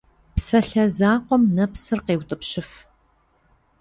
Псалъэ закъуэм нэпсыр къеутӏыпщыф.